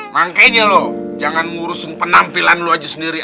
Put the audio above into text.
makanya lu jangan ngurusin penampilan lu sendiri